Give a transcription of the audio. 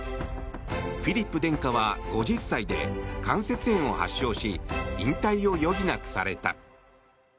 フィリップ殿下は５０歳で関節炎を発症し引退を余儀なくされた。